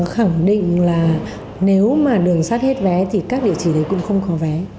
khẳng định là nếu mà đường sắt hết vé thì các địa chỉ đấy cũng không có vé